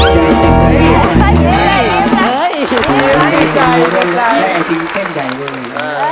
มีไอติมเจ่งใหญ่ด้วย